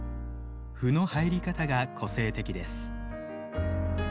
斑の入り方が個性的です。